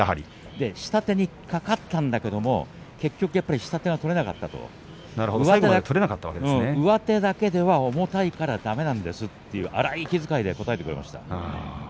下手にかかったんだけれども結局、下手は取れなかったと上手だけでは重たいからだめなんですと荒い息遣いで答えてくれました。